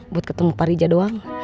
buat ketemu parija doang